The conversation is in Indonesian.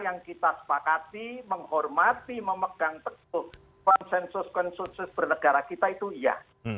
yang kita sepakati menghormati memegang teguh konsensus konsensus bernegara kita itu iya